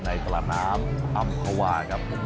ในตลาดน้ำอำภาวาครับ